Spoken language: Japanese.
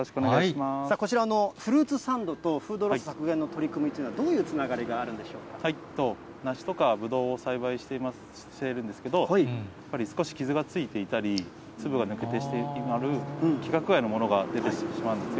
こちらのフルーツサンドとフードロス削減の取り組みというのは、どういうつながりがあるんで梨とかブドウを栽培してるんですけど、やっぱり少し傷がついていたり、粒が抜けてしまっている規格外のものが出てしまうんですよ。